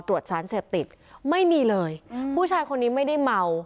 ตรวจสารเสพติดไม่มีเลยผู้ชายคนนี้ไม่ได้เมา